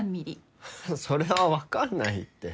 フッそれは分かんないって。